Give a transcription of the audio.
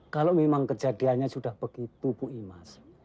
kalau memang kejadiannya sudah begitu bu imas